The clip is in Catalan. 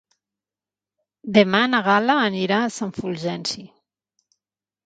Demà na Gal·la anirà a Sant Fulgenci.